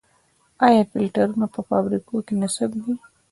آیا فلټرونه په فابریکو کې نصب دي؟